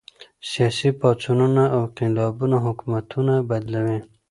سياسي پاڅونونه او انقلابونه حکومتونه بدلوي.